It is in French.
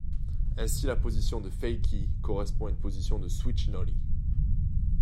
Ainsi la position de fakie correspond a une position de switch nollie.